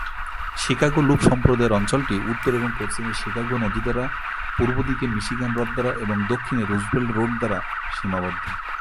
Chicago Loop সম্প্রদায়ের অঞ্চলটি উত্তর এবং পশ্চিমে শিকাগো নদী দ্বারা পূর্বদিকে মিশিগান হ্রদ দ্বারা এবং দক্ষিণে রুজভেল্ট রোড দ্বারা সীমাবদ্ধ।